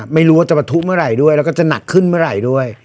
ไม่รู้ว่าจะประทุเมื่อไหร่ด้วยแล้วก็จะหนักขึ้นเมื่อไหร่ด้วย